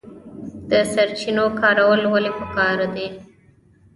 د سرچینو کارول ولې پکار دي؟